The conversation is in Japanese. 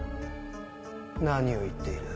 何を言っている？